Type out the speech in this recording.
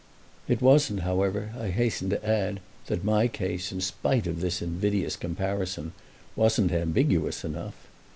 It wasn't however, I hasten to add, that my case, in spite of this invidious comparison, wasn't ambiguous enough.